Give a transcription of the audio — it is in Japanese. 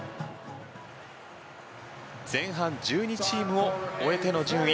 前半１２チームを終えての順位。